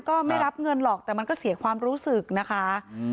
ก็ไม่รับเงินหรอกแต่มันก็เสียความรู้สึกนะคะอืม